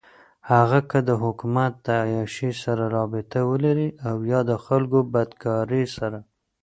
هغــه كه دحــكومت دعيــاشۍ سره رابطه ولري اويا دخلـــكو دبدكارۍ سره.